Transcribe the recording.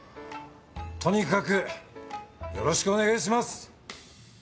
とにかくよろしくお願いします。